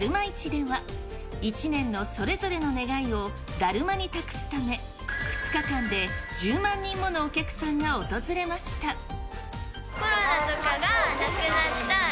市では、１年のそれぞれの願いを、だるまに託すため、２日間で１０万人ものお客さんが訪れました。